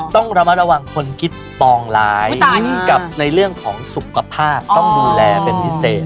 ต้องระมัดระวังคนคิดปองร้ายกับในเรื่องของสุขภาพต้องดูแลเป็นพิเศษ